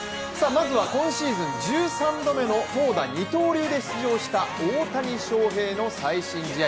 まずは今シーズン１３度目の投打二刀流で出場した大谷翔平の最新試合。